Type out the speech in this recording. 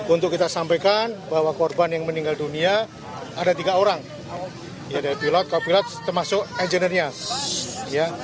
untuk kita sampaikan bahwa korban yang meninggal dunia ada tiga orang pilot pilot termasuk engineernya